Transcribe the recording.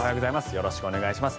よろしくお願いします。